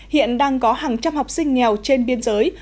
hiện đang có hàng trăm học sinh nghèo trên biên giới